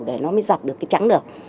để nó mới giặt được cái trắng được